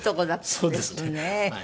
そうですねはい。